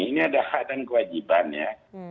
ini ada hak dan kewajibannya